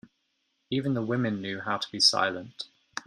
Even the women knew how to be silent.